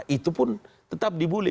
itu pun tetap dibully